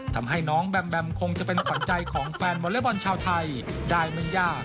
ทำให้น้องแบมแบมคงจะเป็นขวัญใจของแฟนวอเล็กบอลชาวไทยได้ไม่ยาก